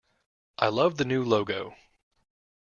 I love the new logo!